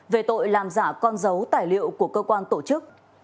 về tội làm giả con dấu tài liệu của cơ quan tổ chức